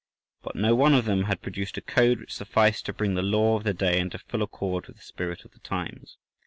But no one of them had produced a code which sufficed to bring the law of the day into full accord with the spirit of the times.